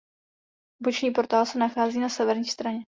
Boční portál se nachází na severní straně.